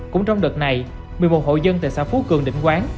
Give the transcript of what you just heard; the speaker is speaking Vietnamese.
cũng trong đợt này một mươi một hộ dân tại xã phú cường định quán